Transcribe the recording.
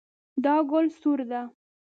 دا ګل سور ده